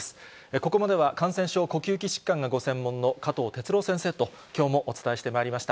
ここまでは感染症・呼吸器疾患がご専門の加藤哲朗先生ときょうもお伝えしてまいりました。